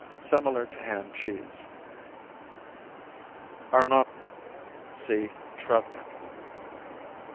Similar to Hand cheese. Arnauten see Travnik.